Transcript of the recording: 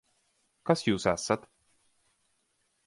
Kas jūs esat?